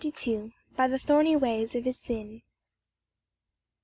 BY THE THORNY WAYS OF HIS SIN.